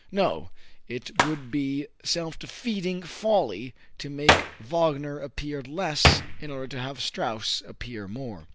No, it would be self defeating folly to make Wagner appear less in order to have Strauss appear more.